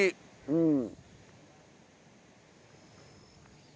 うん。